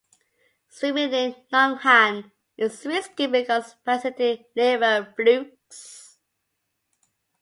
Swimming in Nong Han is risky because of parasitic liver flukes.